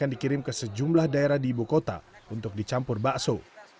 dan dikirim ke sejumlah daerah di ibu kota untuk dicampur bakso